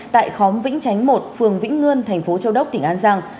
tại khóm vĩnh chánh một phường vĩnh ngươn thành phố châu đốc tỉnh an giang